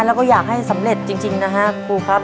แล้วก็อยากให้สำเร็จจริงนะฮะครูครับ